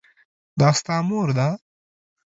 دا ستا مور ده ؟